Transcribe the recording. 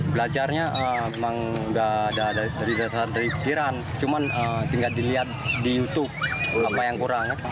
belajarnya memang dari jasa jasa kiraan cuma tinggal dilihat di youtube apa yang kurang